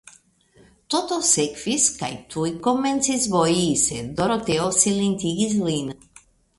Toto sekvis, kaj tuj komencis boji, sed Doroteo silentigis lin.